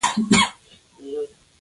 تضمین ورکړه شي.